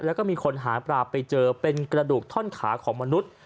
แล้วก็มีคนหาปลาไปเจอเป็นกระดูกท่อนขาของมนุษย์